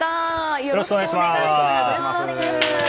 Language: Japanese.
よろしくお願いします。